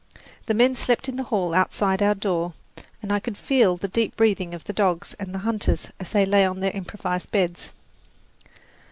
The men slept in the hall outside our door, and I could feel the deep breathing of the dogs and the hunters as they lay on their improvised beds.